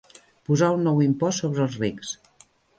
Posar un nou impost sobre els rics.